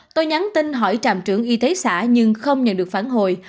tôi nhắn tin hỏi trạm trưởng y tế xã nhưng không nhận được phản hồi